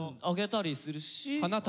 あげたりするし。